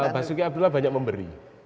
basuki abdullah banyak memberi